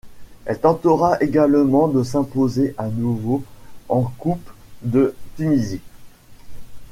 Elle tentera également de s'imposer à nouveau en coupe de Tunisie.